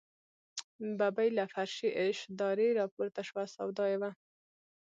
ببۍ له فرشي اشدارې راپورته شوه، سودا یې وه.